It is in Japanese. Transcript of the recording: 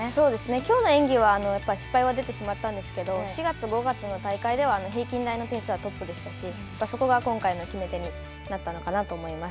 きょうの演技はやっぱり失敗は出てしまったんですけど、４月、５月の大会では平均台の点数はトップでしたし、そこが今回の決め手になったのかなと思います。